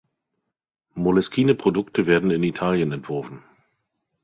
Moleskine-Produkte werden in Italien entworfen.